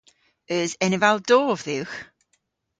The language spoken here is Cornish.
Eus eneval dov dhywgh?